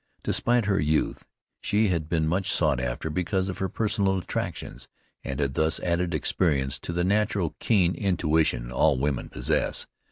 Despite her youth, she had been much sought after because of her personal attractions, and had thus added experience to the natural keen intuition all women possess.